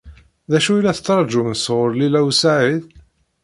D acu i la tettṛaǧum sɣur Lila u Saɛid?